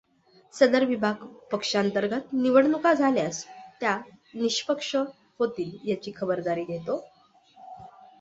सदर विभाग, पक्षांतर्गत निवडणुका झाल्यास त्या निष्पक्ष होतील याची खबरदारी घेतो.